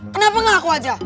kenapa gak aku aja